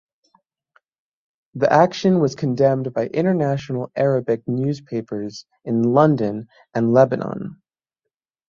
The action was condemned by international Arabic newspapers in London and Lebanon.